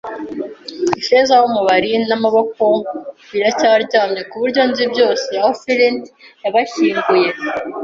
Ifeza yumubari namaboko biracyaryamye, kubyo nzi byose, aho Flint yabashyinguye;